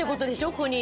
ここに。